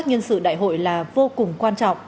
nhân sự đại hội là vô cùng quan trọng